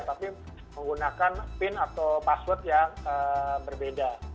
tapi menggunakan pin atau password yang berbeda